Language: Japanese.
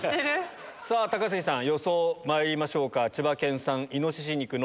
さぁ高杉さん予想まいりましょうか。